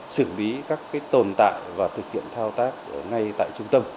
xử lý các tồn tại và thực hiện thao tác ngay tại trung tâm